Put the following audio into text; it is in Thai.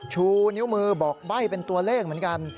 ชูนิ้วมือบอกใบ้เป็นตัวเลขเหมือนกัน